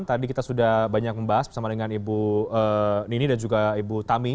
tadi kita sudah banyak membahas bersama dengan ibu nini dan juga ibu tami